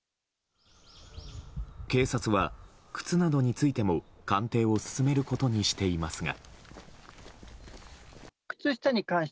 警察は靴などについても鑑定を進めることにしていますが。